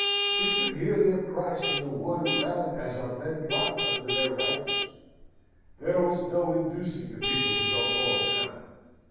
We could hear their cries from the wood around as our men dropped under their rifles. There was no inducing the people to go forward now.